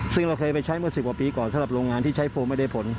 ซึ่งเราเคยไปใช้เมื่อ๑๐กว่าปีก่อนสำหรับโรงงานที่ใช้โฟมไม่ได้ผล